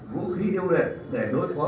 vũ khí điều lệnh để đối phó